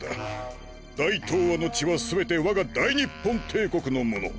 大東亜の地は全てわが大日本帝国のもの。